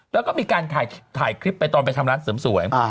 แล้วก็มีการถ่ายคลิปไปตอนไปทำร้านเสริมสวย